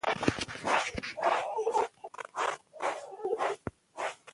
د کور ګټندويه تر دباندي ښه دی.